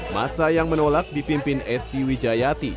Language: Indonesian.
masa yang menolak dipimpin esti wijayati